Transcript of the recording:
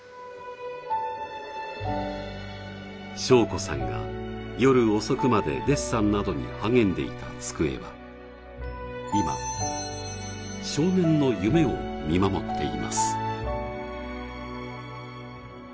晶子さんが夜遅くまでデッサンなどに励んでいた机は今少年の夢を見守っています